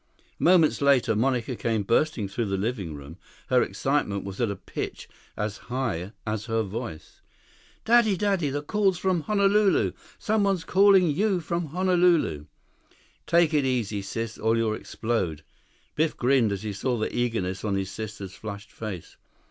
Moments later, Monica came bursting through the living room. Her excitement was at a pitch as high as her voice. "Daddy! Daddy! The call's from Honolulu! Someone's calling you from Honolulu!" "Take it easy, sis, or you'll explode." Biff grinned as he saw the eagerness on his sister's flushed face.